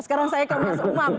sekarang saya ke mas umam